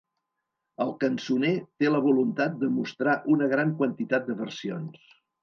El cançoner té la voluntat de mostrar una gran quantitat de versions.